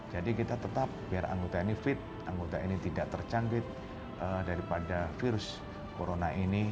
jadi kita tetap biar anggota ini fit anggota ini tidak tercanggit daripada virus corona ini